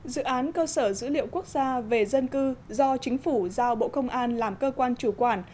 dự án cơ sở dữ liệu quốc gia về dân cư do chính phủ giao bộ công an làm cơ quan chủ quản